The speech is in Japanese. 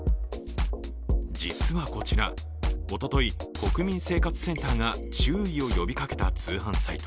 実はこちら、おととい国民生活センターが注意を呼びかけた通販サイト。